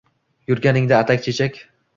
Yurganingda atak-chechak